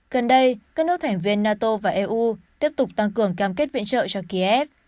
gần đây các nước thành viên nato và eu tiếp tục tăng cường cam kết viện trợ cho kiev